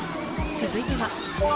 続いては。